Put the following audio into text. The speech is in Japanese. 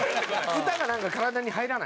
歌がなんか体に入らない？